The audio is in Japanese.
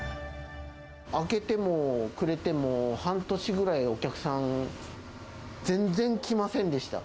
明けても暮れても、半年ぐらい、お客さん、全然来ませんでした。